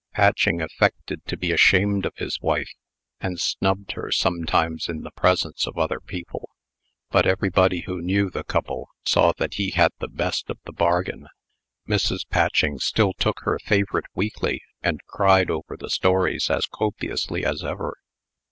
Patching affected to be ashamed of his wife, and snubbed her sometimes in the presence of other people. But everybody who knew the couple, saw that he had the best of the bargain. Mrs. Patching still took her favorite weekly, and cried over the stories as copiously as ever.